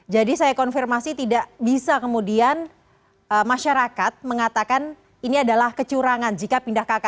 jadi saya konfirmasi tidak bisa kemudian masyarakat mengatakan ini adalah kecurangan jika pindah kk